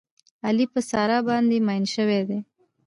علي په ساره باندې مین شوی دی.